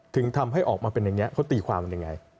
ถึงทำให้ออกมาเป็นอย่างนี้เขาตีความยังไง